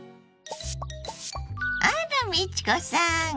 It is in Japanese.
あら美智子さん！